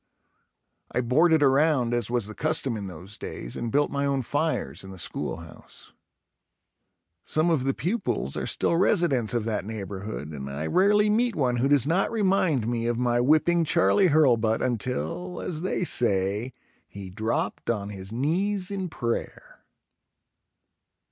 I boarded around as was the custom in those days and built my own fires in the schoolhouse. Some of the pupils are still residents of that neighborhood and I rarely meet one who does not remind me of my whipping Charlie Hurlbut until, as they say, he dropped on his knees in prayer.